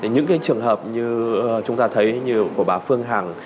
những trường hợp như chúng ta thấy như của bà phương hằng